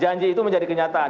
janji itu menjadi kenyataan